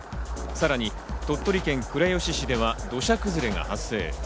さらに鳥取県倉吉市では土砂崩れが発生。